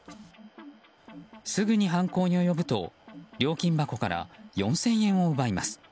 すぐに犯行に及ぶと、料金箱から４０００円を奪います。